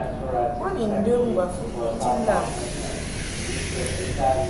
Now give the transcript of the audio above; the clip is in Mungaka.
Bo ni ndəm ŋgwafɨd nji lam ŋgɨŋ.